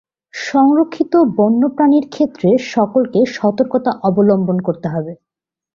সংরক্ষিত বন্যপ্রাণীর ক্ষেত্রে সকলকে সতর্কতা অবলম্বন করতে হবে।